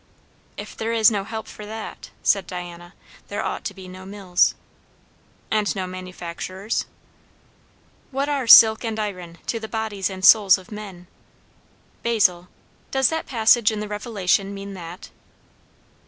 "If there is no help for that," said Diana, "there ought to be no mills." "And no manufacturers?" "What are silk and iron, to the bodies and souls of men? Basil, does that passage in the Revelation mean _that?